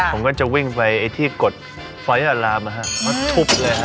ผมก็จะวิ่งไปไอ้ที่กดไฟล์อารามมาทุบเลยฮะ